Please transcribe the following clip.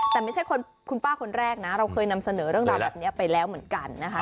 แต่ไม่ใช่คุณป้าคนแรกนะเราเคยนำเสนอเรื่องราวแบบนี้ไปแล้วเหมือนกันนะคะ